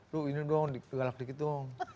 lo ini doang dikualak dikit dong